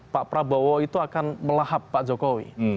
pak prabowo itu akan melahap pak jokowi